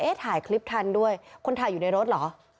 ไอ้ถ่ายคลิปครั้งด้วยคนถ่ายอยู่ในรถหรอ